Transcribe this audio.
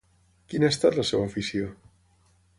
Quina ha estat la seva afició?